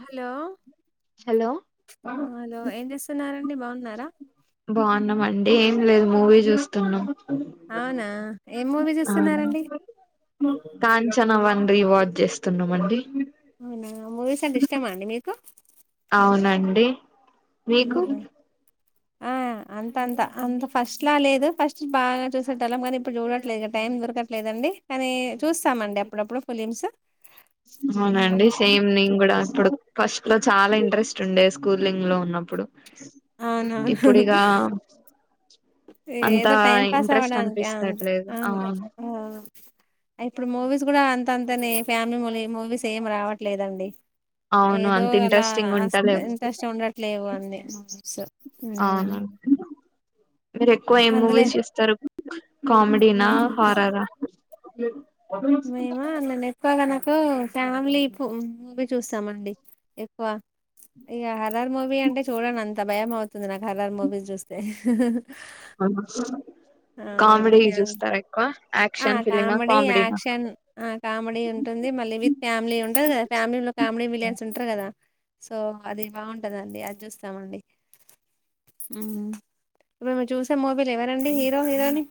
hello hello అ hello ఏం చేస్తున్నారండి బావున్నారా బావున్నాం అండి ఏం లేదు మూవీ చూస్తున్నం అవునా ఏం మూవీ చూస్తున్నారండి కాంచనా వన్ రీవాజ్ చేస్తున్నమండి అవునా మూవీస్ అంటె ఇష్టమా అండి మికు అవునండి మీకు ఆహ్ హ్ అంతంత అంత ఫస్ట్ లా లేదు ఫస్ట్ బాగా చూసేటొల్లం కానీ ఇప్పుడు చూడట్లేదు ఇగ టైం దొరకట్లేదండి కానీ చూస్తామండి అప్పుడప్పుడు ఫిలిమ్స్ అవున అండి సేమ్ నింగూడా ఇపుడు ఫస్ట్ లో చాలా ఇంట్రెస్ట్ ఉండే స్కూలింగ్ లో ఉన్నప్పుడు అవునవును ఇప్పుడిగా అ ఏదో టైం పాస్ అవ్వడానికి అంతె అనిపిస్తట్లేదు అన్ అవును అహ్ ఇప్పుడు మువీస్ గుడా అంత అంతనే ఫ్యామిలీ మూలి మువీస్ ఏం రావట్లేదండి అవును ఏదో అంత అలా ఇంట్రెస్టింగ్ అస్త్ ఉంటలేవు ఇంట్రెస్ట్ ఉండట్లేవు అండి మువిస్ ఉమ్ అవును మీరు ఎక్కువ ఎం మూవీస్ చుస్తరు కామెడీనా మేము హారరా మేమా అన్ననె క్కువగా నాకు ఫ్యామిలీ పు ఉమ్ మూవీ చూస్తామండి ఎక్కువ ఇగ హారర్ మూవీ అంటే చూడంనంత భయం అవుతుంది నాకు హారర్ మూవీస్ చూస్తే కామెడీ చూస్తారా ఎక్కువ హ్ యాక్షన్ ఫిలిమా కామెడీ కామెడీనా యాక్షన్ అహ్ కామెడీ ఉంటుంది మళ్ళీ విత్ ఫ్యామిలీ ఉంటది గదా ఫ్యామిలీ కామెడీ విలన్ స్ ఉంటరు గదా సొ అది బాగుంటదండి అది చూస్తామండి మ్ ఇపుడు మేరు చూసే మువిలో ఎవరండి హీర్ హీరో హీరోని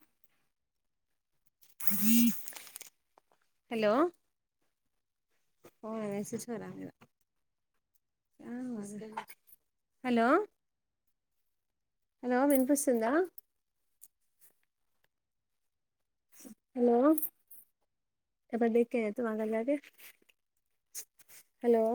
హలో ఆ వేసి వచ్చిన మీద హలో హలో వినిపిస్తుందా హలో హలో